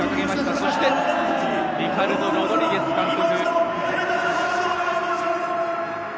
そしてリカルド・ロドリゲス監督。